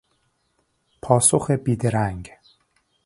پاسخ بیدرنگ